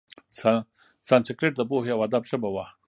سانسکریت د پوهې او ادب ژبه وه.